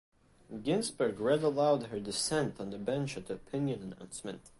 Ginsburg read aloud her dissent on the bench at the opinion announcement.